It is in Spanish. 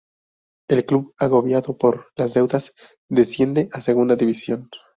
El club agobiado por las deudas desciende a segunda división.